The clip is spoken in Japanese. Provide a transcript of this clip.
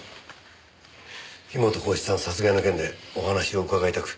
樋本晃一さん殺害の件でお話を伺いたく。